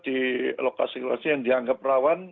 di lokasi lokasi yang dianggap rawan